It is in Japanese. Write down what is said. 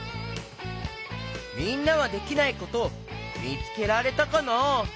みんなはできないことみつけられたかな？